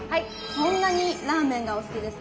そんなにラーメンがお好きですか？